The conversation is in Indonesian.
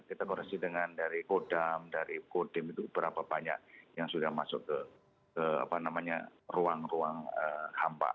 kita koreksi dengan dari kodam dari kodim itu berapa banyak yang sudah masuk ke ruang ruang hampa